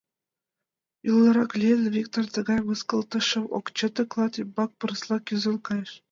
Ӱлнырак лийын, Виктыр тыгай мыскылтышым ок чыте, клат ӱмбак пырысла кӱзен кайыш.